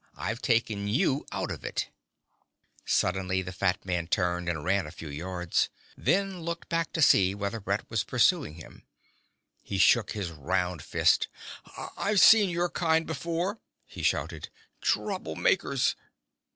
I've taken you out of it " Suddenly the fat man turned and ran a few yards, then looked back to see whether Brett was pursuing him. He shook a round fist. "I've seen your kind before," he shouted. "Troublemakers."